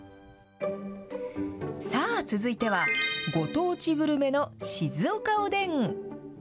さあ、続いてはご当地グルメの静岡おでん。